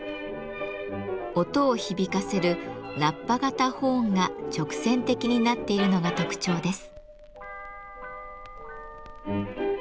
音を響かせるラッパ型ホーンが直線的になっているのが特徴です。